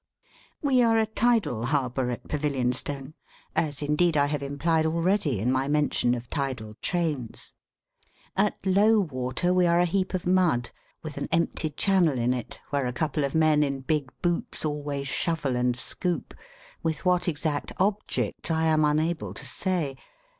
We are a tidal harbour at Pavilionstone, as indeed I have implied already in my mention of tidal trains. At low water, we are a heap of mud, with an empty channel in it where a couple of men in big boots always shovel and scoop: with what exact object, I am unable to say.